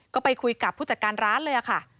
ก็ไปคุยกับผู้จัดการร้านเลยค่ะ